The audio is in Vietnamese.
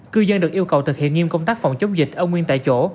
cư dân được yêu cầu thực hiện nghiêm công tác phòng chống dịch ở nguyên tại chỗ